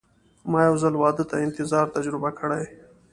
ما یو ځل واده ته انتظار تجربه کړی.